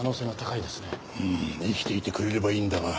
うん生きていてくれればいいんだが。